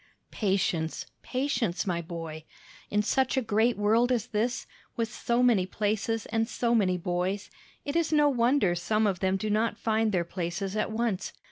"Patience, patience, my boy. In such a great world as this is, with so many places and so many boys, it is no wonder some of them do not find their places at once.